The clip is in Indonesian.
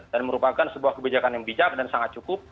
dan merupakan sebuah kebijakan yang bijak dan sangat cukup